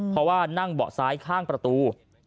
เพราะว่านั่งเบาะซ้ายข้างประตู